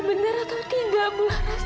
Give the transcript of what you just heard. benar atau tidak bularas